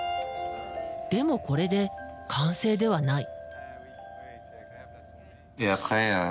でもこれで完成ではない。